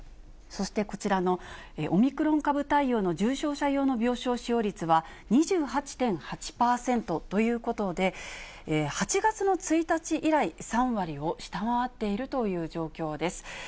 そしてこちらのオミクロン株対応の重症者用の病床使用率は２８．８％ということで、８月の１日以来、３割を下回っているという状況です。